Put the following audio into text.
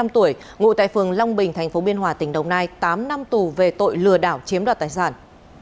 một mươi năm tuổi ngụ tại phường long bình tp biên hòa tỉnh đồng nai tám năm tù về tội lừa đảo chiếm đoạt tài sản